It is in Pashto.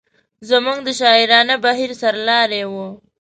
زموږ د شاعرانه بهیر سر لاری و.